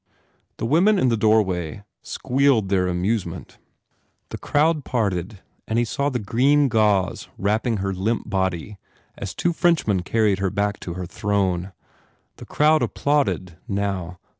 The women in the doorway squealed their amusement. The crowd parted and he saw the green gauze wrapping her limp body as two Frenchmen carried her back to her throne. The crowd applauded, now.